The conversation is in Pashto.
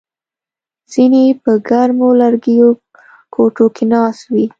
ځینې په ګرمو لرګیو کوټو کې ناست وي